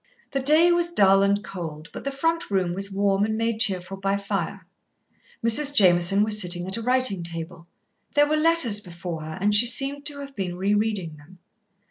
The day was dull and cold, but the front room was warm and made cheerful by fire. Mrs. Jameson was sitting at a writing table. There were letters before her, and she seemed to have been re reading them.